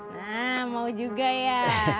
nah mau juga ya